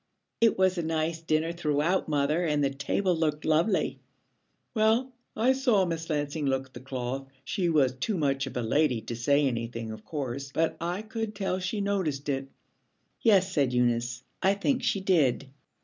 'It was a nice dinner throughout, mother, and the table looked lovely.' 'Well, I saw Miss Lansing look at the cloth. She was too much of a lady to say anything, of course, but I could tell she noticed it.' 'Yes,' said Eunice, 'I think she did.'